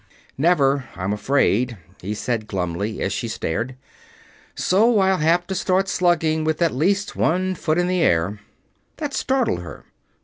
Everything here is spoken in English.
"Never, I'm afraid," he said glumly, and she stared. "So I'll have to start slugging with at least one foot in the air." That startled her.